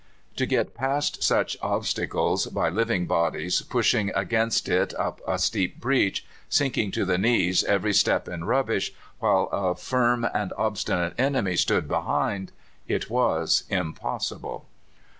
To get past such obstacles by living bodies pushing against it up a steep breach, sinking to the knees every step in rubbish, while a firm and obstinate enemy stood behind it was impossible.